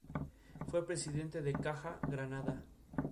Fue presidente de Caja Granada.